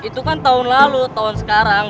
itu kan tahun lalu tahun sekarang